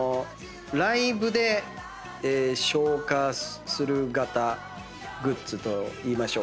ライブで消化する型グッズといいましょうか。